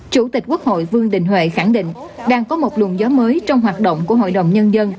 chủ tịch quốc hội vương đình huệ khẳng định đang có một luồng gió mới trong hoạt động của hội đồng nhân dân